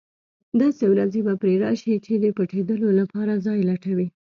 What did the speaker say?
داسې ورځې به پرې راشي چې د پټېدلو لپاره ځای لټوي.